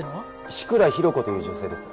志倉寛子という女性です。